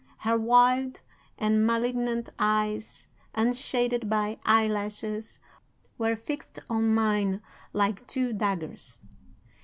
Her wild and malignant eyes, unshaded by eyelashes, were fixed on mine like two daggers.